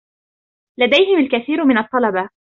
لديهم الكثير من الطلبة.